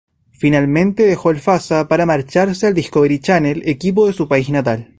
Finalmente dejó el Fassa para marcharse al Discovery Channel, equipo de su país natal.